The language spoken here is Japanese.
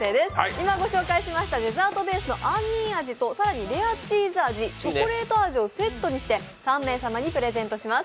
今ご紹介しましたデザートベース、杏仁味とレアチーズ味、さらにチョコレート味をセットにして３名様にプレゼントします。